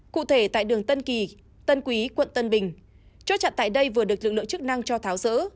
cụ thể tại đường tân kỳ tân quý quận tân bình chốt chặn tại đây vừa được lực lượng chức năng cho tháo rỡ